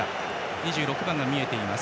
２６番が見えています。